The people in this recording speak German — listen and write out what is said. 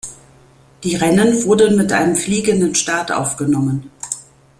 Die Rennen wurden mit einem fliegenden Start aufgenommen.